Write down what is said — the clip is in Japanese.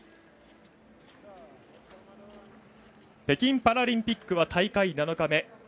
北京パラリンピックは大会７日目。